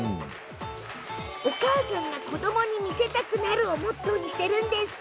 お母さんが子どもに見せたくなるをモットーにしているの。